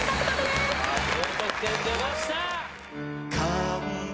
高得点出ました！